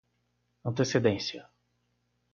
antecedência